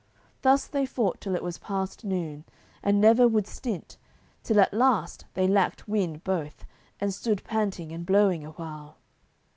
Thus they fought till it was past noon, and never would stint, till at last they lacked wind both, and stood panting and blowing a while.